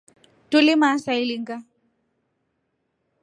Tulimaa saa ilinga.